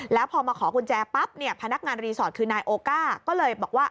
แล้วพอมาขอกุญแจปั๊บเนี่ยพนักงานรีสอร์ทคือนายโอก้าก็เลยบอกว่า